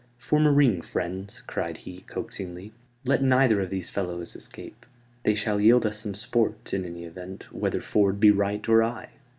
"Form a ring, friends," cried he, coaxingly. "Let neither of these fellows escape. They shall yield us some sport, in any event, whether Ford be right or I."